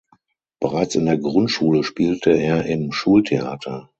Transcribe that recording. Bereits in der Grundschule spielte er im Schultheater.